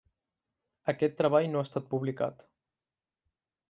Aquest treball no ha estat publicat.